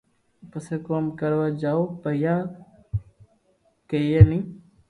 پسي ڪوم ڪروا جاو پييا ڪئي ني